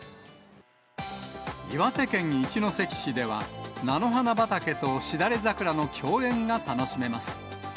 岩手県一関市では、菜の花畑としだれ桜の共演が楽しめます。